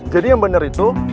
jadi yang bener itu